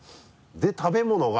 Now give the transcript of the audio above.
で食べ物が。